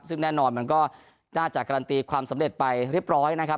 ซึ่งแน่นอนมันก็น่าจะการันตีความสำเร็จไปเรียบร้อยนะครับ